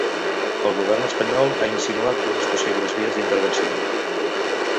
El govern espanyol ha insinuat dues possibles vies d’intervenció.